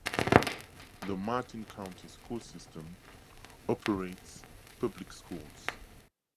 The Martin County School System operates public schools.